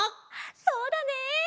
そうだね！